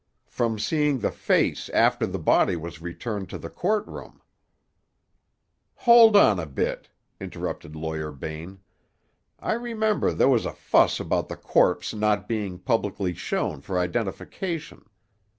"From seeing the face after the body was returned to the court room." "Hold on a bit," interrupted Lawyer Bain. "I remember there was a fuss about the corpse not being publicly shown for identification.